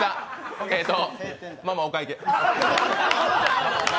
ママ、お会計。